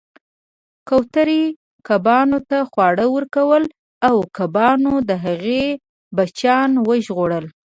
کوترې کبانو ته خواړه ورکول او کبانو د هغې بچیان وژغورل